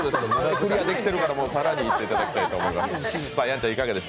クリアできてるから更に行っていただきたいと思います。